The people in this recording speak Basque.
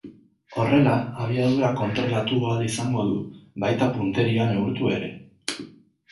Horrela, abiadura kontrolatu ahal izango du, baita punteria neurtu ere.